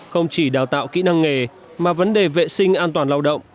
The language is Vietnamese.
không chỉ đào tạo kỹ năng nghề mà vấn đề vệ sinh an toàn lao động